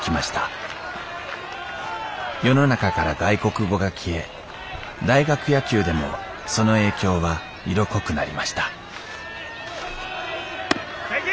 世の中から外国語が消え大学野球でもその影響は色濃くなりました正球！